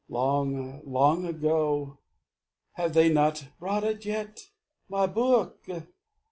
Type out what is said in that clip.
Long, long ago have they not brought it yet? My book?